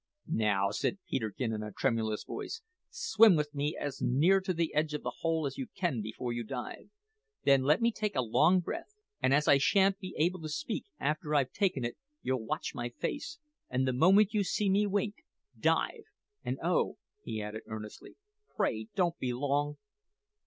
"`Now,' said Peterkin in a tremulous voice, `swim with me as near to the edge of the hole as you can before you dive; then let me take a long breath; and as I sha'n't be able to speak after I've taken it, you'll watch my face, and the moment you see me wink dive! And oh,' he added earnestly, `pray don't be long!'